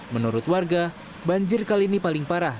menurut warga banjir kali ini paling parah